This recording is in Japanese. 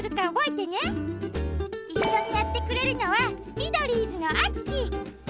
いっしょにやってくれるのはミドリーズのあつき！